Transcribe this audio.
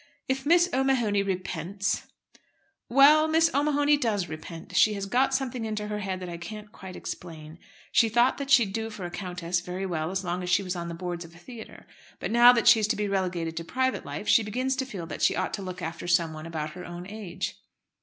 "If Miss O'Mahony repents " "Well, Miss O'Mahony does repent. She has got something into her head that I can't quite explain. She thought that she'd do for a countess very well as long as she was on the boards of a theatre. But now that she's to be relegated to private life she begins to feel that she ought to look after someone about her own age."